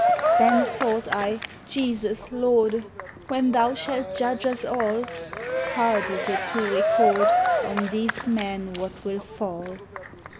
Then thought I, — Jesus, Lorde, When thou shalt judge us all, Harde is it to recorde On these men what will fall.